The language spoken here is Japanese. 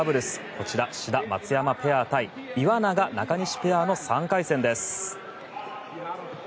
こちら志田、松山ペア対岩永、中西ペアの３回戦です。